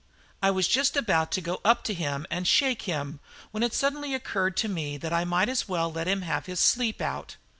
I was just about to go up to him and shake him, when it suddenly occurred to me that I might as well let him have his sleep out.